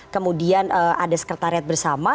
kemudian ada sekretariat bersama